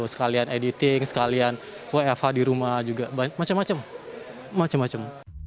sekalian editing sekalian wfh di rumah juga macem macem macem macem